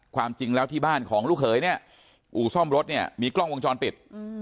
ความจริงแล้วที่บ้านของลูกเขยเนี่ยอู่ซ่อมรถเนี่ยมีกล้องวงจรปิด